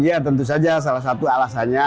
ya tentu saja salah satu alasannya